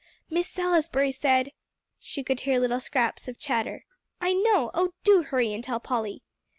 "Miss Salisbury said " She could hear little scraps of chatter. "I know oh, do hurry and tell Polly."